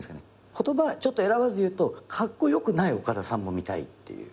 言葉ちょっと選ばず言うとカッコ良くない岡田さんも見たいっていう。